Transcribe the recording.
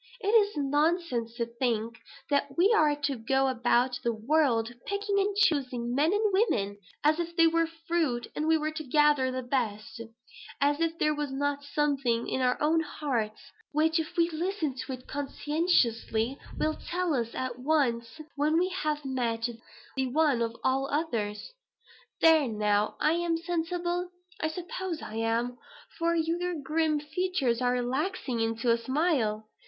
It is nonsense to think that we are to go about the world, picking and choosing men and women as if they were fruit and we were to gather the best; as if there was not something in our own hearts which, if we listen to it conscientiously, will tell us at once when we have met the one of all others. There now, am I sensible? I suppose I am, for your grim features are relaxing into a smile.